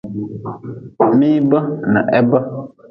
Miibe n hebe.